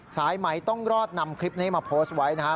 สายไหมต้องรอดนำคลิปนี้มาโพสต์ไว้นะครับ